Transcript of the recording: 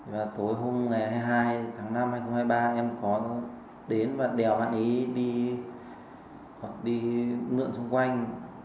và tối hôm hai mươi hai tháng năm hai nghìn hai mươi ba em có đến và đèo bạn ấy đi hoặc đi ngượn xung quanh